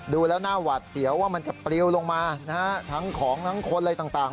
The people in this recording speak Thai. ดูแล้วหน้าหวาดเสียวว่ามันจะปลิวลงมานะฮะทั้งของทั้งคนอะไรต่าง